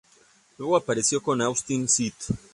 Luego apareció con Austin St.